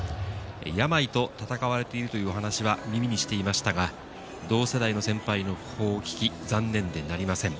病と闘われているという話は耳にしていましたが、同世代の先輩の訃報を聞き、残念でなりません。